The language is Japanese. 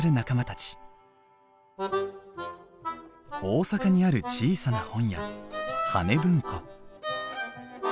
大阪にある小さな本屋葉ね文庫。